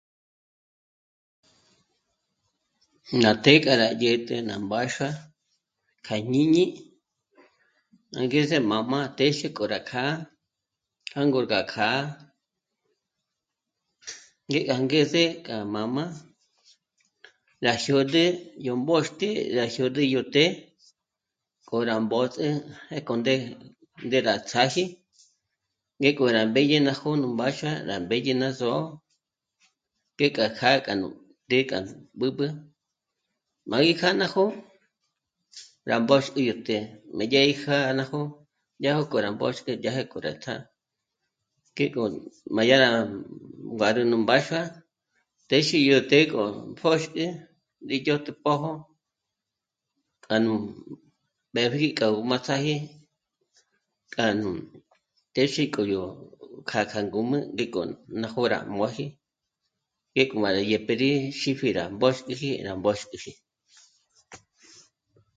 Ná të́'ë k'a rá dyä̀t'ä ná mbáxua kja jñíni angeze mā́jmā téxe kjo rá kjâ'a jângor gá kjâ'a ngé angeze k'a mā́'mā rá zhód'e yó mbóxtji rá zhód'ü yó të́'ë k'o rá mbö̌tje pjéko ndé... ndé rá ts'áji ngéko rá mbéñe ná jó'o nú mbáxua rá mbéñe ná só'o ngéka já'a k'a nú ngéka b'ǚb'ü má gí kjâ'a ná jó'o rá mbóxti yó të́'ë, má dyá í jä̂nagö dya nkó rá mbóxti dyá ja k'o rá ts'á ngéko ma yá mbárü nú mbáxua, téxi yó të́'ë k'o pjö̀xkjü rí dyä̀t'pjü pójo k'a nú mbépji k'a gú má ts'áji k'a nú téxi k'o yó kja kja ngûmü ngíko má jô'o rá móji ngéko ma yá rá dyä̀tpjü rí xípji rá pjö̀xkiji rá mbóxkiji